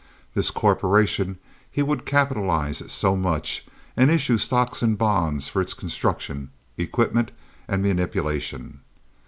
This corporation he would capitalize at so much, and issue stocks and bonds for its construction, equipment, and manipulation.